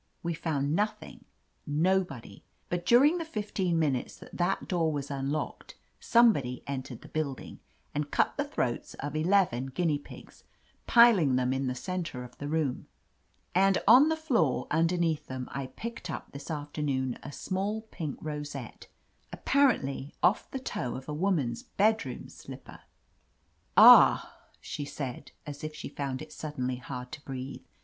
We found nothing, nobody. But during the fifteen minutes that that door was unlocked, somebody entered the building, and cut the throats of eleven guinea pigs, piling them in the center of the room. And— on the floor un derneath them I picked up this afternoon a small pink rosette, apparently off the toe of a woman's bedroom slipper." "Ah !" she said, as if she found it suddenly hard to breathe.